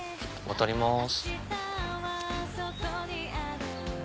渡ります。